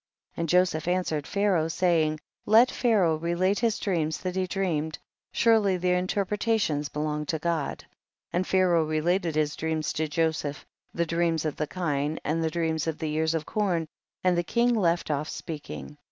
51. And Joseph answered Pha raoh, saying, let Pharoah relate his dreams that he dreamed ; surely the interpretations belong to God ; and Pharaoh related his dreams to Joseph, the dream of the kine, and the dream of the ears of corn, and the king left otf speaking.